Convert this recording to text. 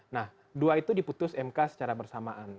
nah dua itu diputus mk secara bersamaan